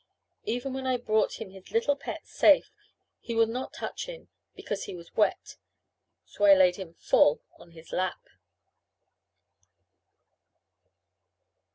Even when I brought him his little pet safe, he would not touch him, because he was wet; so I laid him full on his lap.